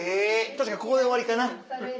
確かここで終わりかな。